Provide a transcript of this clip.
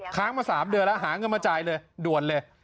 ค้างมา๓เดือนแล้วหาเงินมาจ่ายเลยด่วนเลย